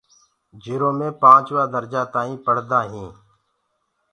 جِرا مي پانچوين ڪلاسي تائينٚ پڙهاندآ هينٚ